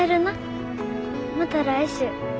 また来週。